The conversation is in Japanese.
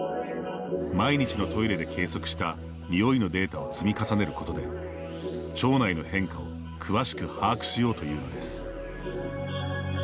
毎日のトイレで計測したにおいのデータを積み重ねることで、腸内の変化を詳しく把握しようというのです。